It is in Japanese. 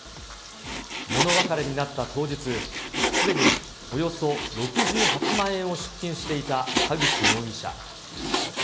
物別れになった当日、すでにおよそ６８万円を出金していた田口容疑者。